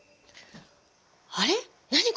あれっ何？